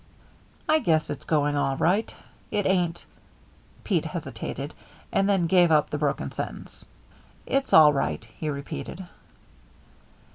"I guess it's going all right. It ain't " Pete hesitated, and then gave up the broken sentence. "It's all right," he repeated.